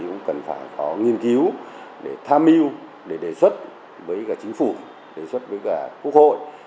cũng cần phải có nghiên cứu để tham mưu để đề xuất với cả chính phủ đề xuất với cả quốc hội